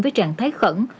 với trạng thái khẩn